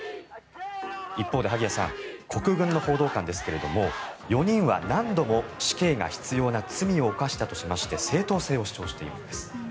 一方で萩谷さん国軍の報道官ですが４人は何度も死刑が必要な罪を犯したとしまして正当性を主張しているんです。